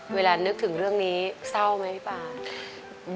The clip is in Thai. นึกถึงเรื่องนี้เศร้าไหมพี่ป่า